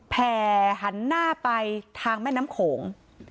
แห่หันหน้าไปทางแม่น้ำโขง